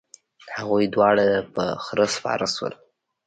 هغوی دواړه په خره سپاره شول.